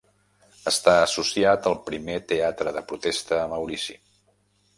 Està associat al primer teatre de protesta a Maurici.